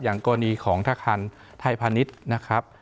อย่างกรณีของทศาสตริย์ไทยพระนิสศาสตร์นะครับ